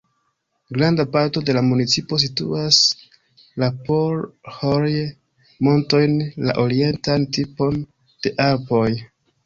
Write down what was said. Granda parto de la municipo situas la Pohorje-montojn, la orientan tipon de Alpoj.